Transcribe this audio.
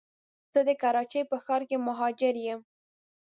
زه د کراچی په ښار کي مهاجر یم